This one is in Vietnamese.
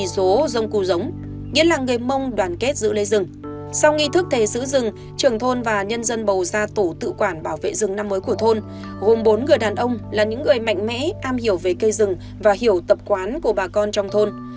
sau nghi rừng thề giữ rừng trưởng thôn và nhân dân bầu ra tổ tự quản bảo vệ rừng năm mới của thôn gồm bốn người đàn ông là những người mạnh mẽ am hiểu về cây rừng và hiểu tập quán của bà con trong thôn